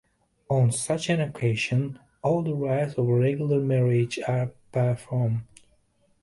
On such an occasion, all the rites of a regular marriage are performed.